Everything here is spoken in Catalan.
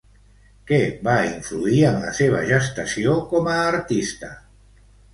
Què va influir en la seva gestació com a artista?